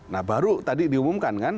nah baru tadi diumumkan kan